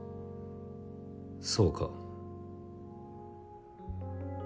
そうか。